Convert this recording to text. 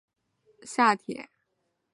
都营地下铁